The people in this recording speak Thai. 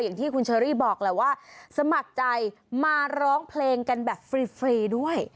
อย่างที่คุณเชอรี่บอกแหละว่าสมัครใจมาร้องเพลงกันแบบฟรีด้วย